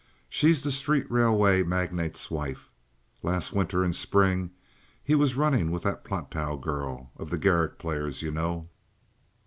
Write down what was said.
"She's the street railway magnate's wife. Last winter and spring he was running with that Platow girl—of the Garrick Players, you know."